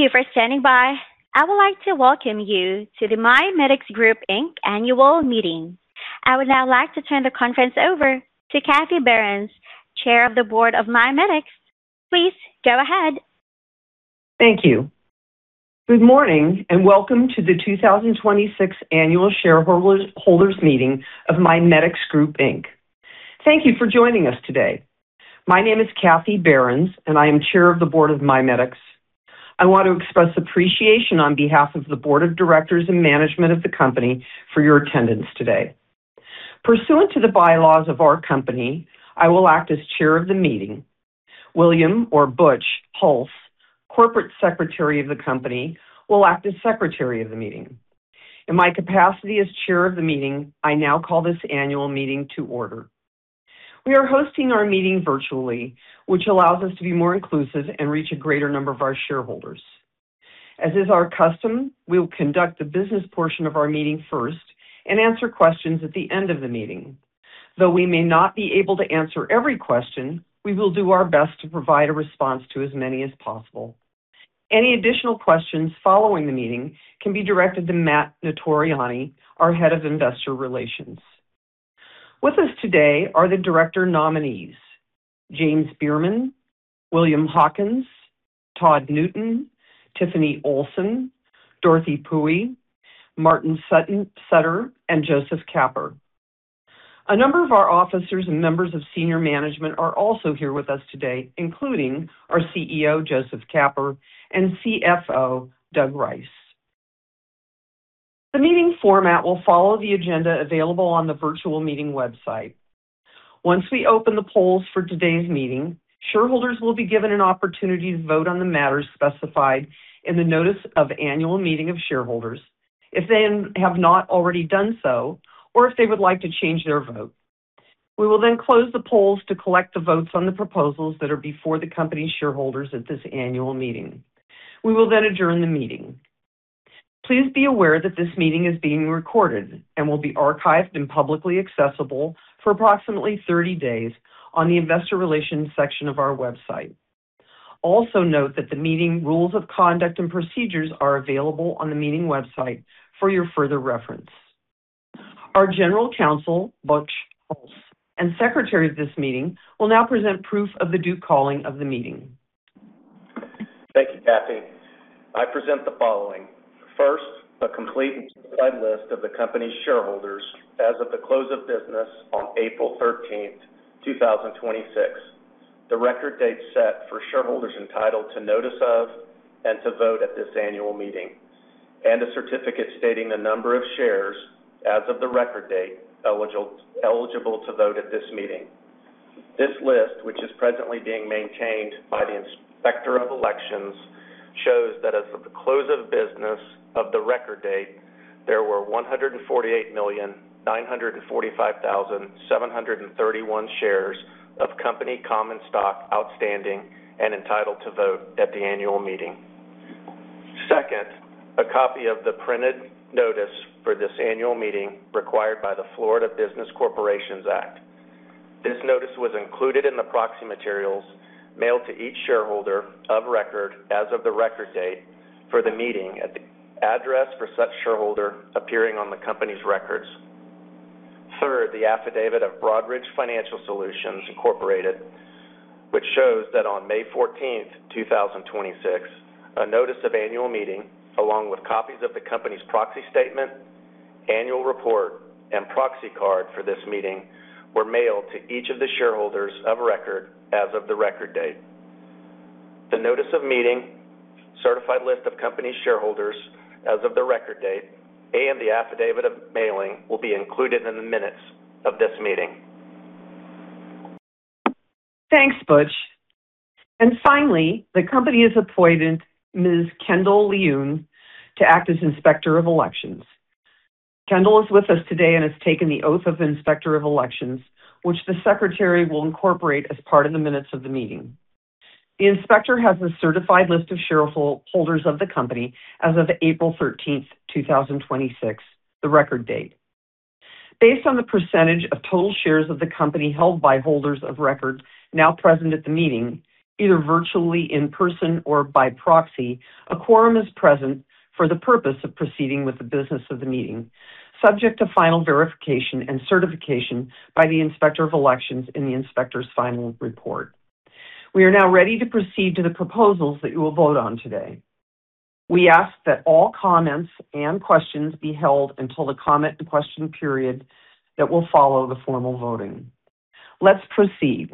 Thank you for standing by. I would like to welcome you to the MiMedx Group, Inc annual meeting. I would now like to turn the conference over to Kathy Behrens, Chair of the Board of MiMedx. Please go ahead. Thank you. Good morning, and welcome to the 2026 Annual Shareholders' Meeting of MiMedx Group, Inc. Thank you for joining us today. My name is Kathy Behrens, and I am Chair of the Board of MiMedx. I want to express appreciation on behalf of the board of directors and management of the company for your attendance today. Pursuant to the bylaws of our company, I will act as chair of the meeting. William or Butch Hulse, Corporate Secretary of the company, will act as secretary of the meeting. In my capacity as chair of the meeting, I now call this annual meeting to order. We are hosting our meeting virtually, which allows us to be more inclusive and reach a greater number of our shareholders. As is our custom, we will conduct the business portion of our meeting first and answer questions at the end of the meeting. Though we may not be able to answer every question, we will do our best to provide a response to as many as possible. Any additional questions following the meeting can be directed to Matt Notarianni, our Head of Investor Relations. With us today are the director nominees, James Bierman, William Hawkins, Todd Newton, Tiffany Olson, Dorothy Puhy, Martin Sutter, and Joseph Capper. A number of our officers and members of senior management are also here with us today, including our CEO, Joseph Capper, and CFO, Doug Rice. The meeting format will follow the agenda available on the virtual meeting website. Once we open the polls for today's meeting, shareholders will be given an opportunity to vote on the matters specified in the notice of annual meeting of shareholders if they have not already done so or if they would like to change their vote. We will close the polls to collect the votes on the proposals that are before the company shareholders at this annual meeting. We will adjourn the meeting. Please be aware that this meeting is being recorded and will be archived and publicly accessible for approximately 30 days on the investor relations section of our website. Also note that the meeting rules of conduct and procedures are available on the meeting website for your further reference. Our General Counsel, Butch Hulse, and secretary of this meeting will now present proof of the due calling of the meeting. Thank you, Kathy. I present the following. First, a complete list of the company's shareholders as of the close of business on April 13th, 2026, the record date set for shareholders entitled to notice of and to vote at this annual meeting, and a certificate stating the number of shares as of the record date eligible to vote at this meeting. This list, which is presently being maintained by the Inspector of Elections, shows that as of the close of business of the record date, there were 148,945,731 shares of company common stock outstanding and entitled to vote at the annual meeting. Second, a copy of the printed notice for this annual meeting required by the Florida Business Corporation Act. This notice was included in the proxy materials mailed to each shareholder of record as of the record date for the meeting at the address for such shareholder appearing on the company's records. Third, the affidavit of Broadridge Financial Solutions, Inc, which shows that on May 14th, 2026, a notice of annual meeting, along with copies of the company's proxy statement, annual report, and proxy card for this meeting were mailed to each of the shareholders of record as of the record date. The notice of meeting, certified list of company shareholders as of the record date, and the affidavit of mailing will be included in the minutes of this meeting. Thanks, Butch. Finally, the company has appointed Ms. Kendall Lioon to act as Inspector of Elections. Kendall is with us today and has taken the oath of Inspector of Elections, which the secretary will incorporate as part of the minutes of the meeting. The inspector has a certified list of shareholders of the company as of April 13th, 2026, the record date. Based on the percentage of total shares of the company held by holders of record now present at the meeting, either virtually, in person, or by proxy, a quorum is present for the purpose of proceeding with the business of the meeting, subject to final verification and certification by the Inspector of Elections in the inspector's final report. We are now ready to proceed to the proposals that you will vote on today. We ask that all comments and questions be held until the comment and question period that will follow the formal voting. Let's proceed.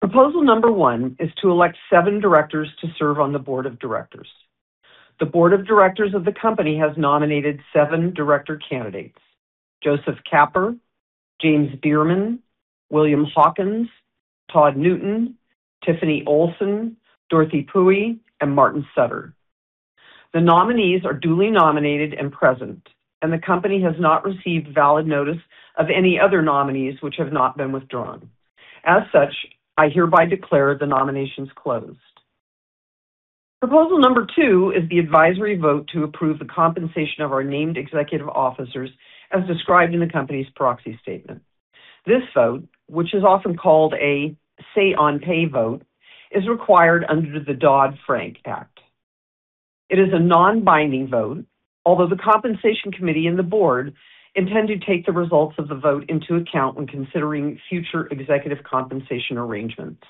Proposal number one is to elect seven directors to serve on the Board of Directors. The board of directors of the company has nominated seven director candidates: Joseph Capper, James Bierman, William Hawkins, Todd Newton, Tiffany Olson, Dorothy Puhy, and Martin Sutter. The nominees are duly nominated and present, and the company has not received valid notice of any other nominees which have not been withdrawn. As such, I hereby declare the nominations closed. Proposal number two is the advisory vote to approve the compensation of our named executive officers as described in the company's proxy statement. This vote, which is often called a say-on-pay vote, is required under the Dodd-Frank Act. It is a non-binding vote, although the compensation committee and the board intend to take the results of the vote into account when considering future executive compensation arrangements.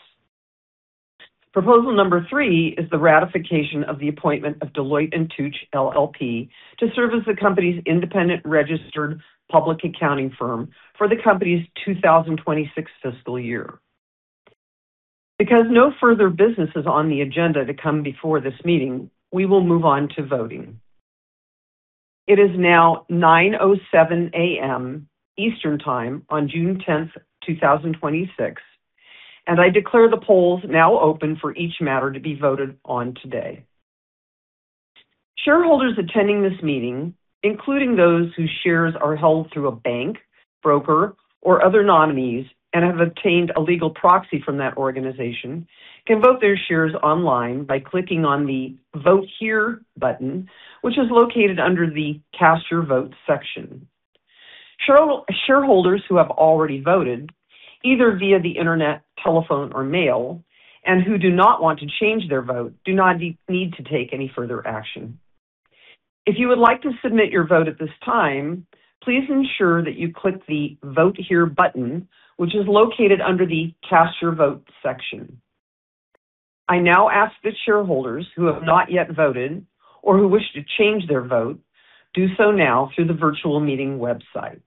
Proposal number three is the ratification of the appointment of Deloitte & Touche LLP to serve as the company's independent registered public accounting firm for the company's 2026 fiscal year. Because no further business is on the agenda to come before this meeting, we will move on to voting. It is now 9:07 A.M. Eastern Time on June 10th, 2026, and I declare the polls now open for each matter to be voted on today. Shareholders attending this meeting, including those whose shares are held through a bank, broker, or other nominees and have obtained a legal proxy from that organization, can vote their shares online by clicking on the Vote Here button, which is located under the Cast Your Vote section. Shareholders who have already voted, either via the internet, telephone, or mail, and who do not want to change their vote, do not need to take any further action. If you would like to submit your vote at this time, please ensure that you click the Vote Here button, which is located under the Cast Your Vote section. I now ask that shareholders who have not yet voted or who wish to change their vote do so now through the virtual meeting website.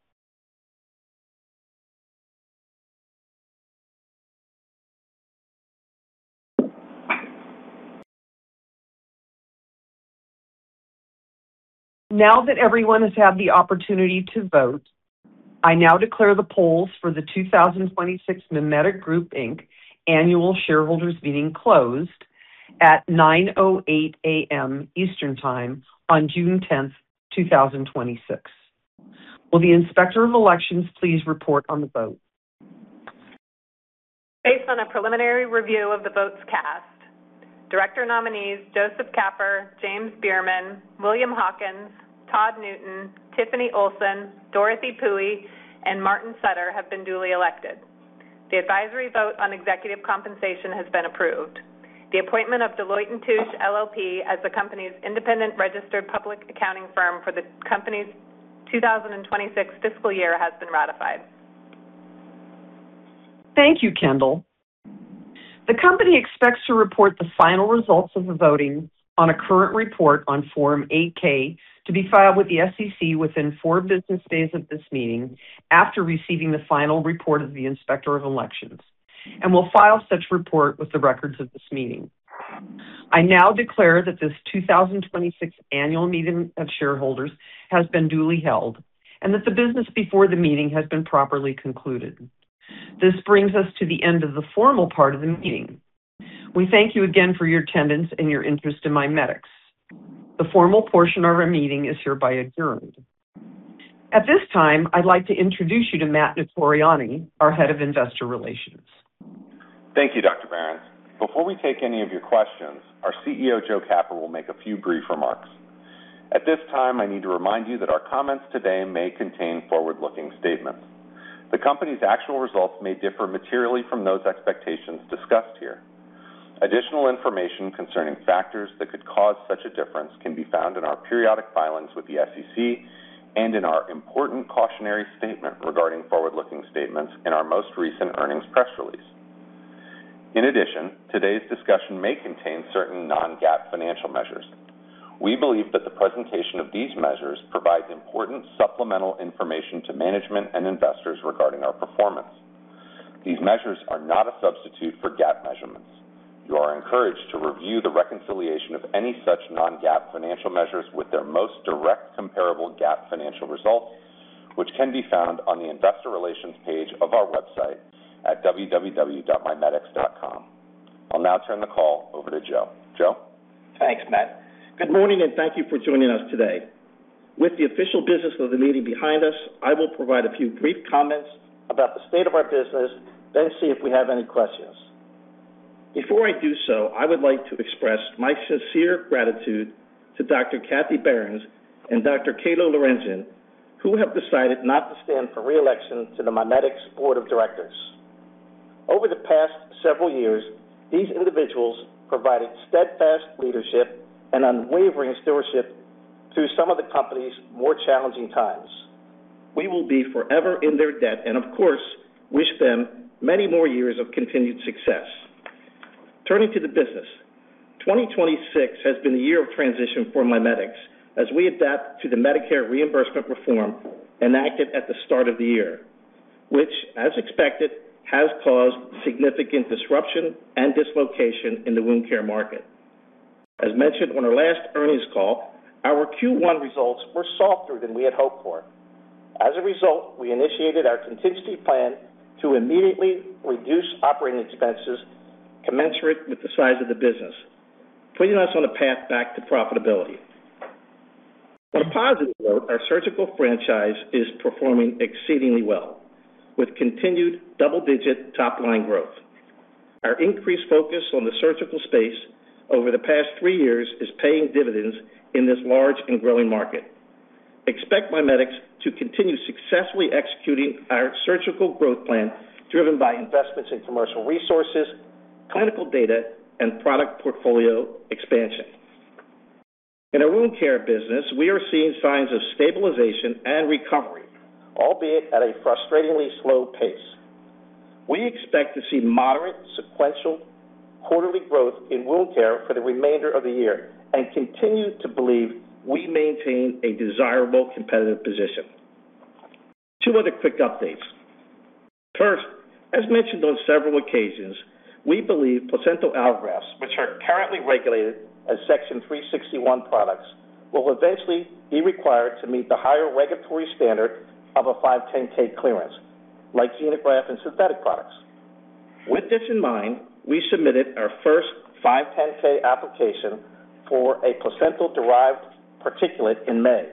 Now that everyone has had the opportunity to vote, I now declare the polls for the 2026 MiMedx Group, Inc Annual Shareholders Meeting closed at 9:08 A.M. Eastern Time on June 10th, 2026. Will the Inspector of Elections please report on the vote? Based on a preliminary review of the votes cast, director nominees Joseph Capper, James Bierman, William Hawkins, Todd Newton, Tiffany Olson, Dorothy Puhy, and Martin Sutter have been duly elected. The advisory vote on executive compensation has been approved. The appointment of Deloitte & Touche LLP as the company's independent registered public accounting firm for the company's 2026 fiscal year has been ratified. Thank you, Kendall. The company expects to report the final results of the voting on a current report on Form 8-K to be filed with the SEC within four business days of this meeting after receiving the final report of the Inspector of Elections and will file such report with the records of this meeting. I now declare that this 2026 Annual Meeting of Shareholders has been duly held and that the business before the meeting has been properly concluded. This brings us to the end of the formal part of the meeting. We thank you again for your attendance and your interest in MiMedx. The formal portion of our meeting is hereby adjourned. At this time, I'd like to introduce you to Matt Notarianni, our Head of Investor Relations. Thank you, Dr. Behrens. Before we take any of your questions, our CEO, Joe Capper, will make a few brief remarks. At this time, I need to remind you that our comments today may contain forward-looking statements. The company's actual results may differ materially from those expectations discussed here. Additional information concerning factors that could cause such a difference can be found in our periodic filings with the SEC and in our important cautionary statement regarding forward-looking statements in our most recent earnings press release. In addition, today's discussion may contain certain non-GAAP financial measures. We believe that the presentation of these measures provides important supplemental information to management and investors regarding our performance. These measures are not a substitute for GAAP measurements. You are encouraged to review the reconciliation of any such non-GAAP financial measures with their most direct comparable GAAP financial results, which can be found on the investor relations page of our website at www.mimedx.com. I'll now turn the call over to Joe. Joe? Thanks, Matt. Good morning, and thank you for joining us today. With the official business of the meeting behind us, I will provide a few brief comments about the state of our business, then see if we have any questions. Before I do so, I would like to express my sincere gratitude to Dr. Kathy Behrens and Dr. Cato Laurencin, who have decided not to stand for re-election to the MiMedx Board of Directors. Over the past several years, these individuals provided steadfast leadership and unwavering stewardship through some of the company's more challenging times. We will be forever in their debt and, of course, wish them many more years of continued success. Turning to the business. 2026 has been a year of transition for MiMedx as we adapt to the Medicare reimbursement reform enacted at the start of the year, which, as expected, has caused significant disruption and dislocation in the wound care market. As mentioned on our last earnings call, our Q1 results were softer than we had hoped for. As a result, we initiated our contingency plan to immediately reduce operating expenses commensurate with the size of the business, putting us on a path back to profitability. On a positive note, our surgical franchise is performing exceedingly well with continued double-digit top-line growth. Our increased focus on the surgical space over the past three years is paying dividends in this large and growing market. Expect MiMedx to continue successfully executing our surgical growth plan driven by investments in commercial resources, clinical data, and product portfolio expansion. In our wound care business, we are seeing signs of stabilization and recovery, albeit at a frustratingly slow pace. We expect to see moderate sequential quarterly growth in wound care for the remainder of the year and continue to believe we maintain a desirable competitive position. Two other quick updates. First, as mentioned on several occasions, we believe placental allografts, which are currently regulated as Section 361 products, will eventually be required to meet the higher regulatory standard of a 510(k) clearance, like xenograft and synthetic products. With this in mind, we submitted our first 510(k) application for a placental-derived particulate in May.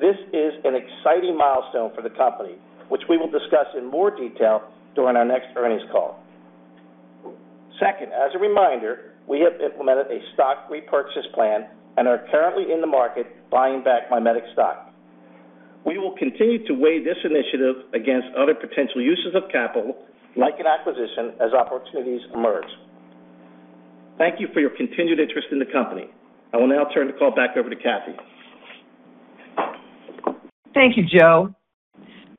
This is an exciting milestone for the company, which we will discuss in more detail during our next earnings call. Second, as a reminder, we have implemented a stock repurchase plan and are currently in the market buying back MiMedx stock. We will continue to weigh this initiative against other potential uses of capital, like an acquisition, as opportunities emerge. Thank you for your continued interest in the company. I will now turn the call back over to Kathy. Thank you, Joe.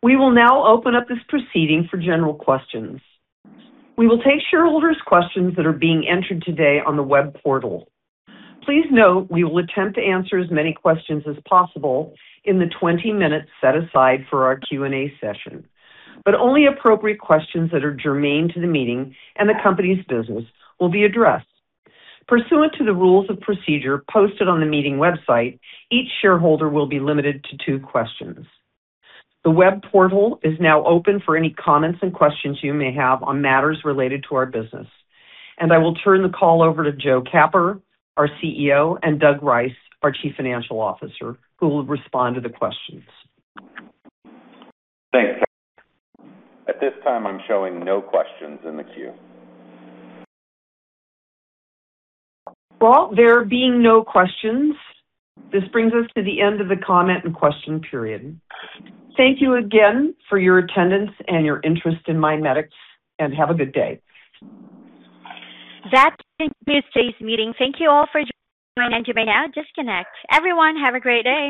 We will now open up this proceeding for general questions. We will take shareholders' questions that are being entered today on the web portal. Please note we will attempt to answer as many questions as possible in the 20 minutes set aside for our Q&A session, but only appropriate questions that are germane to the meeting and the company's business will be addressed. Pursuant to the rules of procedure posted on the meeting website, each shareholder will be limited to two questions. The web portal is now open for any comments and questions you may have on matters related to our business. I will turn the call over to Joe Capper, our CEO, and Doug Rice, our Chief Financial Officer, who will respond to the questions. Thanks. At this time, I'm showing no questions in the queue. There being no questions, this brings us to the end of the comment-and question-period. Thank you again for your attendance and your interest in MiMedx, have a good day. That concludes today's meeting. Thank you all for joining, you may now disconnect. Everyone, have a great day.